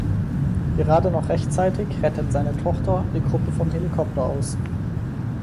Gerade noch rechtzeitig rettet seine Tochter die Gruppe vom Helikopter aus.